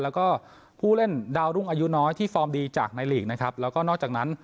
แล้วก็ผู้เล่นดาวรุ่งอายุน้อยที่ฟอร์มดีจากในลีกนะครับแล้วก็นอกจากนั้น